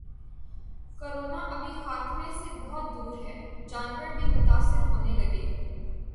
’corona ابھی خاتمے سے بہت دور ہے‘ جانور بھی متاثر ہونے لگے